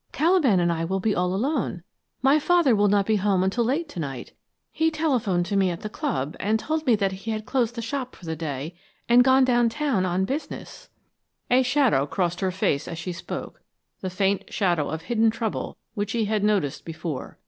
"Caliban and I will be all alone. My father will not be home until late to night. He telephoned to me at the club and told me that he had closed the shop for the day and gone down town on business." A shadow crossed her face as she spoke, the faint shadow of hidden trouble which he had noticed before.